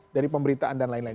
dari pemberitaan dan lain lain